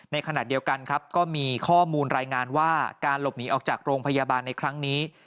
ในขณะเดียวกันครับก็มีข้อมูลรายงานว่าการหลบหนีออกจากโรงพยาบาลในครั้งนี้